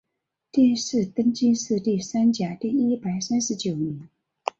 殿试登进士第三甲第一百三十九名。